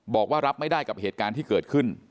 บอกว่ารับไม่ได้กับเหตุการณ์ที่เกิดขึ้น